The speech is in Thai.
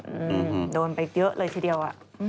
ฮืมโดนไปเยอะเลยอีกทีเดียว